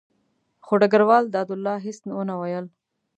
خو ډګروال دادالله هېڅ ونه ویل.